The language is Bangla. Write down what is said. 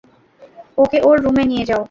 ওকে ওর রুমে নিয়ে যাও।